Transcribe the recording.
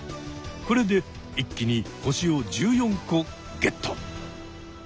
これで一気に星を１４個ゲット！